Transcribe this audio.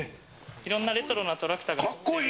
いろんなレトロなトラクターかっこいい！